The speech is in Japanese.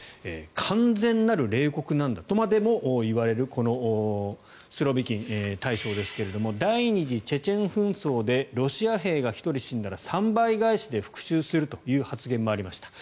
完全なる冷酷なんだとまでもいわれるこのスロビキン大将ですけども第２次チェチェン紛争でロシア兵が１人死んだら３倍返しで復しゅうするという発言もありました。